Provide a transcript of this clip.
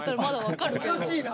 おかしいな。